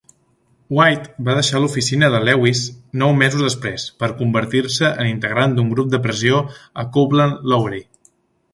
White va deixar l'oficina de Lewis nou mesos després, per convertir-se en integrant d'un grup de pressió a Copeland Lowery.